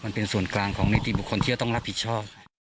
มันเป็นส่วนกลางของนิติบุคคลที่จะต้องรับผิดชอบ